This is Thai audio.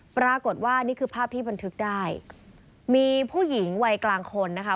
ปรากฏว่านี่คือภาพที่บันทึกได้มีผู้หญิงวัยกลางคนนะคะ